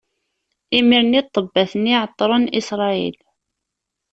Imiren ṭṭebbat-nni ɛeṭṭren Isṛayil.